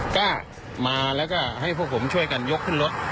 ก็มาแล้วก็ให้พวกผมช่วยกันยกขึ้นรถ